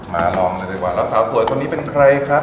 มาลองเลยดีกว่าแล้วสาวสวยพี่คุณค่ะครับ